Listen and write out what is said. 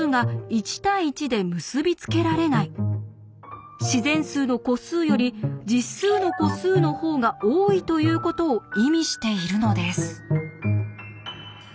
つまり「自然数の個数より実数の個数の方が多い」ということを意味しているのです。